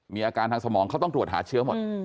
มีอาการทางสมองเขาต้องตรวจหาเชื้อหมด